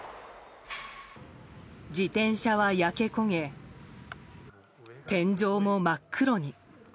自転車は焼け焦げ天井も真っ黒に。